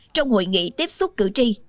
trong hội nghị tiếp xúc cử tri